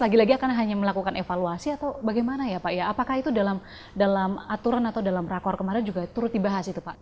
lagi lagi akan hanya melakukan evaluasi atau bagaimana ya pak ya apakah itu dalam aturan atau dalam rakor kemarin juga turut dibahas itu pak